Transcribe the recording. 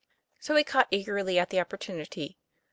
So he caught eagerly at the opportunity.